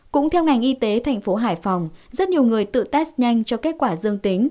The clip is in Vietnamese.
cũng theo ngành y tế thành phố hải phòng rất nhiều người tự test nhanh cho kết quả dương tính